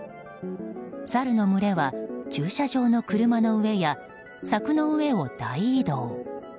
サルの群れは、駐車場の車の上や柵の上を大移動。